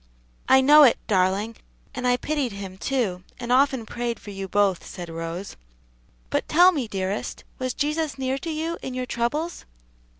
"I know it, darling, and I pitied him, too, and often prayed for you both," said Rose. "But tell me, dearest, was Jesus near to you in your troubles?"